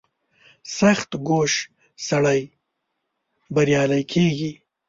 • سختکوش سړی بریالی کېږي.